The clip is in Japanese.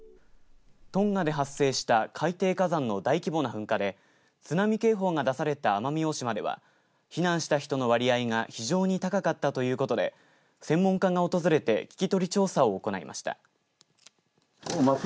トンガで発生した海底火山の大規模な噴火で津波警報が出された奄美大島では避難した人の割合が非常に高かったということで専門家が訪れて聞き取り調査を行いました。